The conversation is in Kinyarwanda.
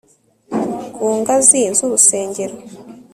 Ku ngazi zurusengero